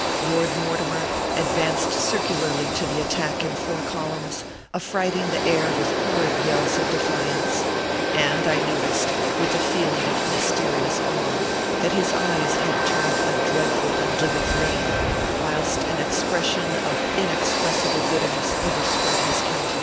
Lord Mortimer advanced circularly to the attack in four columns, affrighting the air with horrid yells of defiance ; and I noticed, with a feeling of mysterious awe, that his eyes had turned a dreadful and livid green, whilst an expres sion of inexpressible bitterness overspread his coun tenance.